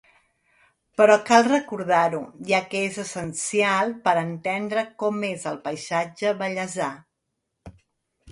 Però cal recordar-ho, ja que és essencial per a entendre com és el paisatge vallesà.